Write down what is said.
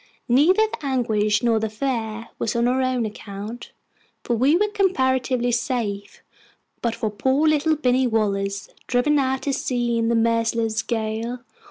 Neither the anguish nor the fear was on our own account, for we were comparatively safe, but for poor little Binny Wallace, driven out to sea in the merciless gale.